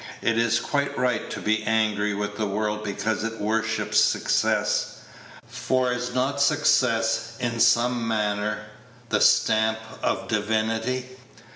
Is it quite right to be angry with the world because it worships success; for is not success, in some manner, the stamp of divinity?